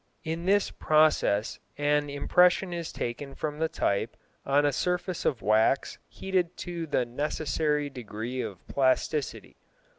In this process an impression is taken from the type on a surface of wax heated to the necessary degree of plasticity.